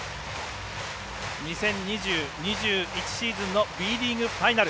２０２０‐２１シーズンのＢリーグファイナル。